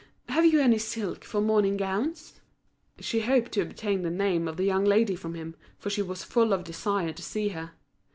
Have you any silk for morning gowns?" She hoped to obtain the name of the young lady from him, for she was full of a desire to see her.